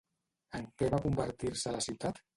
En què va convertir-se la ciutat?